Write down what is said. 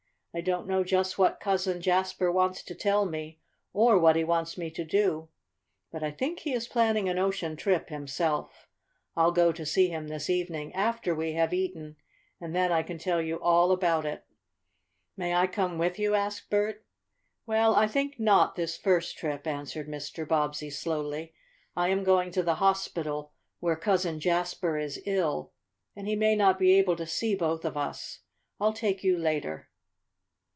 I don't know just what Cousin Jasper wants to tell me, or what he wants me to do. But I think he is planning an ocean trip himself. I'll go to see him this evening, after we have eaten, and then I can tell you all about it." "May I come with you?" asked Bert. "Well, I think not this first trip," answered Mr. Bobbsey slowly. "I am going to the hospital where Cousin Jasper is ill, and he may not be able to see both of us. I'll take you later."